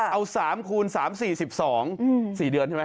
เอา๓คูณ๓๔๒๔เดือนใช่ไหม